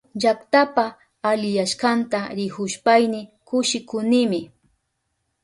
Llaktapa aliyashkanta rikushpayni kushikunimi.